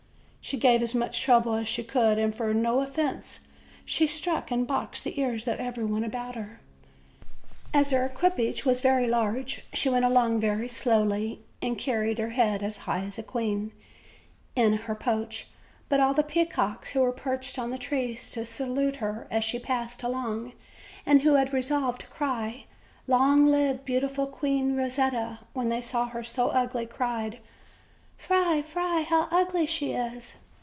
She gave as much trouble as she could, and for no offense she struck and boxed the ears of everybody about her. As her equipage was very large, she went along very slowly, and carried her head as high as a queen, in her poach. But all the peacocks, who were perched on the 182 OLD, OLD FAIRY TALES. trees to salute her as she passed along, and who had re* solved to cry: "Long live beautiful Queen Eosetta,'" when they saw her so ugly, cried: "Fy, fy, how ugly she is!"